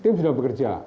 tim sudah bekerja